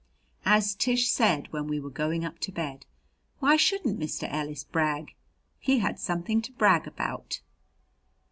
As Tish said when we were going up to bed, why shouldn't Mr. Ellis brag? He had something to brag about.